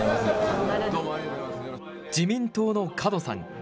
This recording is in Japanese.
自民党の門さん。